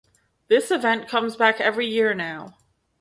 This event comes back every year now.